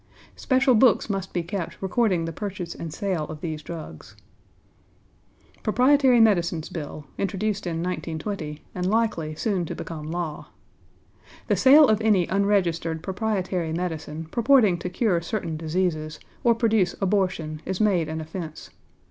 Special books must be kept recording the purchase and sale of these drugs. =Proprietary Medicines Bill= (introduced in 1920, and likely soon to become law). The sale of any unregistered proprietary medicine purporting to cure certain diseases or produce abortion is made an offence.